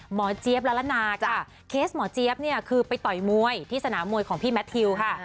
เจี๊ยบละละนาค่ะเคสหมอเจี๊ยบเนี่ยคือไปต่อยมวยที่สนามมวยของพี่แมททิวค่ะ